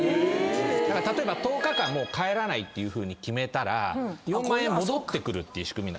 例えば十日間帰らないっていうふうに決めたら４万円戻ってくるって仕組み。